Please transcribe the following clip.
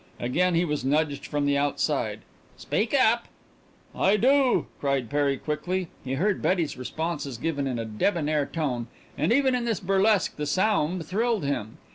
Again he was nudged from the outside. "Speak up!" "I do!" cried Perry quickly. He heard Betty's responses given in a debonair tone, and even in this burlesque the sound thrilled him.